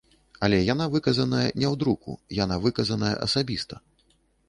Але яна выказаная не ў друку, яна выказаная асабіста.